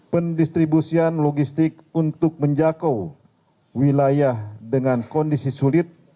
pendistribusian logistik untuk menjangkau wilayah dengan kondisi sulit